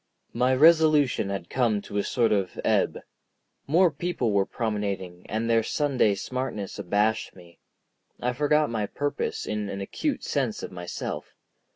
My resolution had come to a sort of ebb. More people were promenading, and their Sunday smartness abashed me. I forgot my purpose in an acute sense of myself.